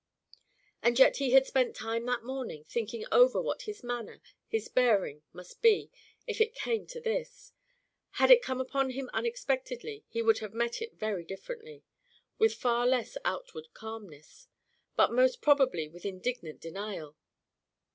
And yet he had spent time that morning, thinking over what his manner, his bearing must be if it came to this! Had it come upon him unexpectedly he would have met it very differently; with far less outward calmness, but most probably with indignant denial.